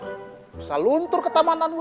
bisa luntur ke tamanan gue